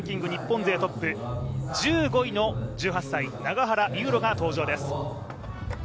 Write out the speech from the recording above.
そして世界ランキング日本勢トップ、１５位の１８歳、永原悠路が登場です。